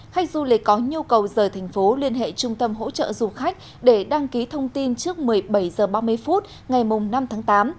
khách du lịch có nhu cầu rời thành phố liên hệ trung tâm hỗ trợ du khách để đăng ký thông tin trước một mươi bảy h ba mươi phút ngày năm tháng tám